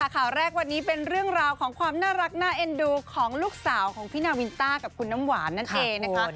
ข่าวแรกวันนี้เป็นเรื่องราวของความน่ารักน่าเอ็นดูของลูกสาวของพี่นาวินต้ากับคุณน้ำหวานนั่นเองนะคะ